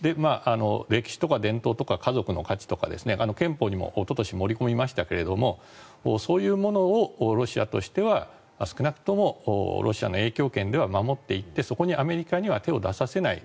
歴史とか伝統とか家族の価値とか憲法にもおととし、盛り込みましたけどそういうものをロシアとしては少なくともロシアの影響圏では守っていって、そこにアメリカには手を出させない。